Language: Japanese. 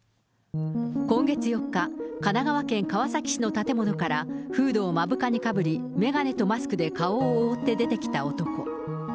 今月４日、神奈川県川崎市の建物からフードを目深にかぶり眼鏡とマスクで顔を覆って出てきた男。